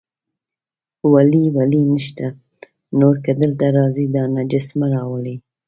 ولې ولې نشته، نور که دلته راځئ، دا نجس مه راولئ.